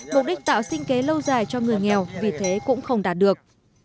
mục đích tạo sinh kế lâu dài cho người nghèo vì thế cũng không đạt được